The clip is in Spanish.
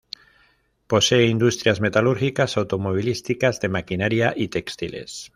Posee industrias metalúrgicas, automovilísticas, de maquinaria y textiles.